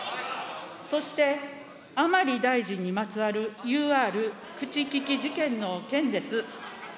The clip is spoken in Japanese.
そして、甘利大臣にまつわるＵＲ口利き事件の件です。